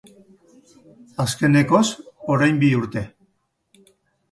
Azkenekoz, orain bi urte.